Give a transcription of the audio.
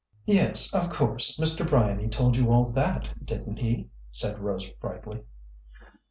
"Yes. Of course Mr. Bryany told you all that, didn't he?" said Rose brightly.